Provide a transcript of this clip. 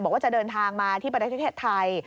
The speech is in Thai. ว่าจะเดินทางมาที่ประเทศไทย